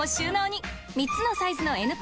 ３つのサイズの「Ｎポルダ」